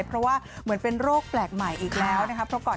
เพราะว่าเหมือนเป็นโรคแปลกใหม่ค่ะอีกแล้วนะครับเพราะก่อน